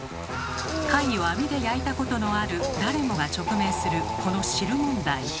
貝を網で焼いたことのある誰もが直面するこの汁問題。